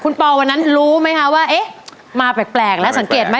คุณปอวันนั้นรู้ไหมคะว่าเอ๊ะมาแปลกแล้วสังเกตไหม